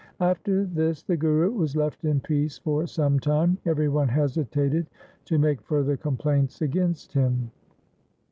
After this the Guru was left in peace for some time. Every one hesitated to make further complaints against him.